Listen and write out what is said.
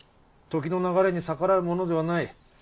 時の流れに逆らうものではない。